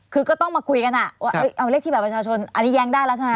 คือก็ต้องมาคุยกันว่าเอาเลขที่บัตรประชาชนอันนี้แย้งได้แล้วใช่ไหม